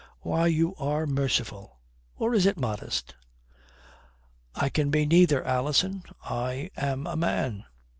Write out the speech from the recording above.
"Why, you are merciful. Or is it modest?" "I can be neither, Alison. I am a man."